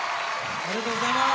ありがとうございます。